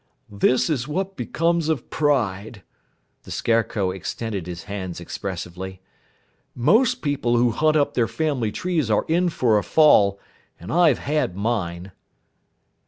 "This is what becomes of pride!" The Scarecrow extended his hands expressively. "Most people who hunt up their family trees are in for a fall, and I've had mine."